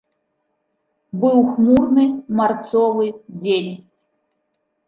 Быў хмурны марцовы дзень.